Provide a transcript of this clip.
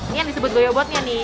ini yang disebut goyo botnya nih